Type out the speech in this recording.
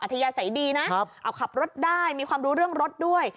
ทยาศัยดีนะเอาขับรถได้มีความรู้เรื่องรถด้วย